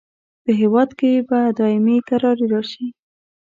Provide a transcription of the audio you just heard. په هیواد کې به دایمي کراري راشي.